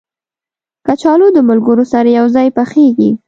کچالو د ملګرو سره یو ځای پخېږي